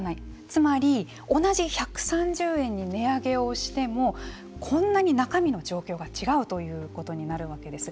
つまり同じ１３０円に値上げをしてもこんなに中身の状況が違うということになるわけです。